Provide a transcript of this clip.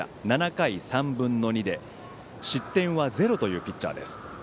７回３分の２で失点は０というピッチャーです。